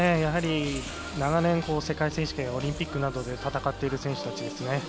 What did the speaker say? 長年、世界選手権やオリンピックなどで戦っている選手たちですね。